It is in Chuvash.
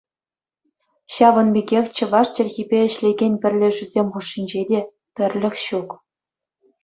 Ҫавӑн пекех чӑваш чӗлхипе ӗҫлекен пӗрлешӳсем хушшинче те пӗрлӗх ҫук.